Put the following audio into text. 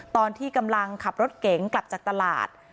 ตอนที่กำลังขับรถเก๋งกลับจากตลาด